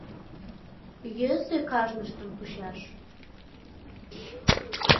Йӧсӧ кажныштым кучаш.